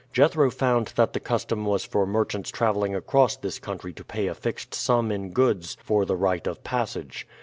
Jethro found that the custom was for merchants traveling across this country to pay a fixed sum in goods for the right of passage.